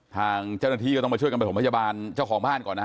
ทางเจ้าหน้าที่ก็ต้องมาช่วยกันประถมพยาบาลเจ้าของบ้านก่อนนะฮะ